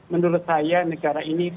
menurut saya negara ini